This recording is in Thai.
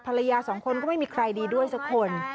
ภรรยาสองคนก็ไม่มีใครดีด้วยสักคน